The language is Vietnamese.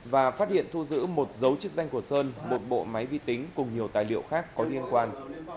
và phát hiện thu giữ một dấu chức danh của sơn một bộ máy vi tính cùng nhiều tài liệu khác có liên quan